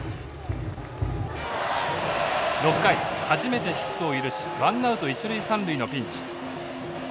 ６回初めてヒットを許しワンナウト一塁三塁のピンチ。